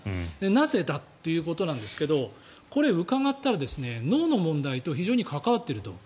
なぜだということなんですがこれ、伺ったら脳の問題と非常に関わっていると。